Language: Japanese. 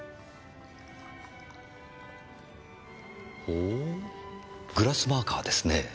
ほぉグラスマーカーですね。